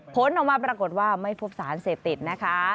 ผลออกมาปรากฏว่าไม่พบสารเสพติดนะคะ